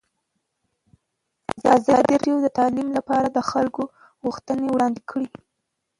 ازادي راډیو د تعلیم لپاره د خلکو غوښتنې وړاندې کړي.